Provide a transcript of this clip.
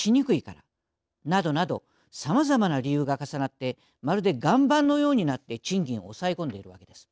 などなどさまざまな理由が重なってまるで岩盤のようになって賃金を抑え込んでいるわけです。